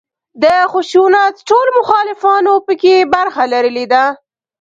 د خشونت ټولو مخالفانو په کې برخه لرلې ده.